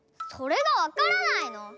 それがわからないの？